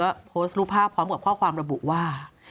ก็โพสต์รูปภาพพร้อมกับข้อความระบุว่า